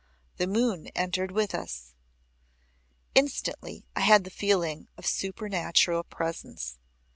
The moon entered with us. Instantly I had the feeling of supernatural presence.